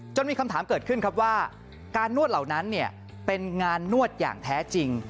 มีคำถามเกิดขึ้นครับว่าการนวดเหล่านั้นเป็นงานนวดอย่างแท้จริง